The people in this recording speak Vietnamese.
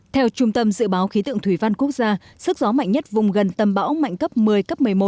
theo trung tâm dự báo khí tượng thủy văn quốc gia sức gió mạnh nhất vùng gần tâm bão mạnh cấp một mươi cấp một mươi một